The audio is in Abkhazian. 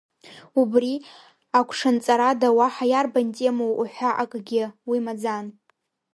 Убри агәҽанҵарада уаҳа иарбан темоу уҳәа акгьы, уи маӡан.